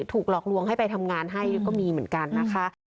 หลอกลวงให้ไปทำงานให้ก็มีเหมือนกันนะคะ